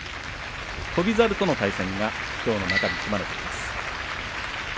翔猿との対戦がきょうの中日、組まれています。